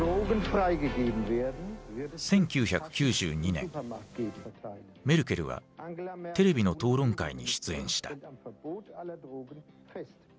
１９９２年メルケルはテレビの討論会に出演した。